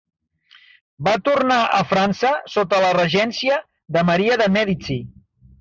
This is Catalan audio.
Va tornar a França sota la regència de Maria de Mèdici.